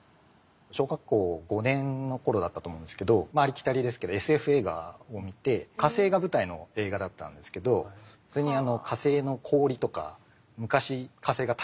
小学校５年の頃だったと思うんですけどありきたりですけどＳＦ映画を見て火星が舞台の映画だったんですけどはあ。